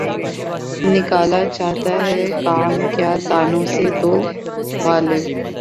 نکالا چاہتا ہے کام کیا طعنوں سے تو؟ غالبؔ!